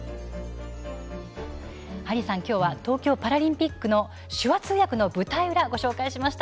ハリーさん、きょうは東京パラリンピックの手話通訳の舞台裏をご紹介しました。